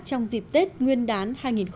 trong dịp tết nguyên đán hai nghìn một mươi bảy